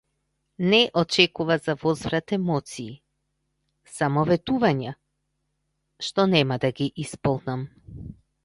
Не очекува за возврат емоции, само ветувања, што нема да ги исполнам.